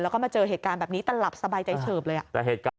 แล้วก็มาเจอเหตุการณ์แบบนี้แต่หลับสบายใจเฉิบเลยอะ